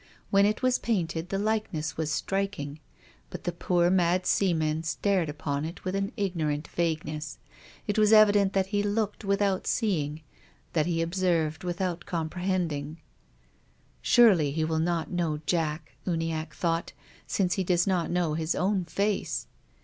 When it was painted the likeness was striking. But the poor mad seaman stared upon it with an ignorant vagueness. It was evident that he looked without seeing, that he obser\'cd without comprehending. " Surely he will not know Jack," Uniacke thought, " since he does not know his own face."